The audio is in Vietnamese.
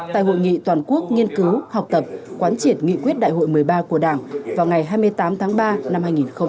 tại hội nghị toàn quốc nghiên cứu học tập quán triệt nghị quyết đại hội một mươi ba của đảng vào ngày hai mươi tám tháng ba năm hai nghìn hai mươi